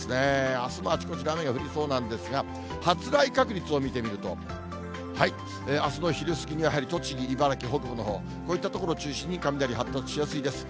あすもあちこちで雨が降りそうなんですが、発雷確率を見てみると、あすの昼過ぎにはやはり栃木、茨城、北部のほう、こういった所を中心に雷発達しやすいです。